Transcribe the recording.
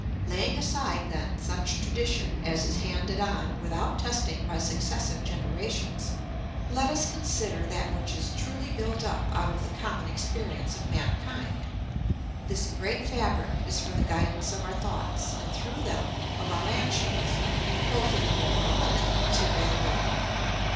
Laying aside, then, such tradition as is handed on without testing by successive generations, let us consi der that which is truly built up out of the common ex perience of mankind. This great fabric is for the gui dance of our thoughts, and through them of our actions, both in the moral and in the material world.